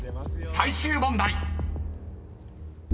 ［最終問題］